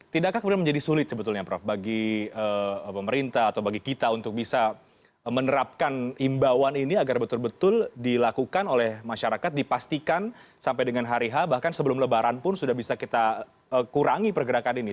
tidakkah kemudian menjadi sulit sebetulnya prof bagi pemerintah atau bagi kita untuk bisa menerapkan imbauan ini agar betul betul dilakukan oleh masyarakat dipastikan sampai dengan hari h bahkan sebelum lebaran pun sudah bisa kita kurangi pergerakan ini